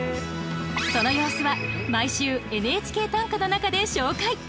その様子は毎週「ＮＨＫ短歌」の中で紹介！